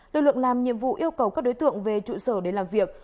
lực lượng làm nhiệm vụ yêu cầu các đối tượng về trụ sở để làm việc